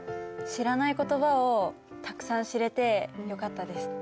知らない言葉をたくさん知れてよかったです。